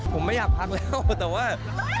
ผมไม่อยากพักแล้วแต่ว่า